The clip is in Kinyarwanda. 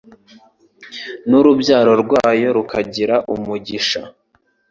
n’urubyaro rwayo rukagira umugisha